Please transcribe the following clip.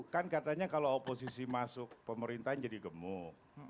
kan katanya kalau oposisi masuk pemerintahan jadi gemuk